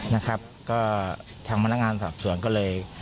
นะครับก็ทางพนักงานสอบสวนก็เลย